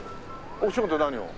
お仕事何を？